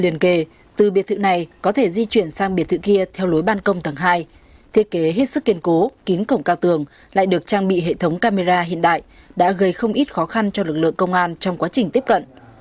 liền kề từ biệt thự này có thể di chuyển sang biệt thự kia theo lối ban công tầng hai thiết kế hết sức kiên cố kín cổng cao tường lại được trang bị hệ thống camera hiện đại đã gây không ít khó khăn cho lực lượng công an trong quá trình tiếp cận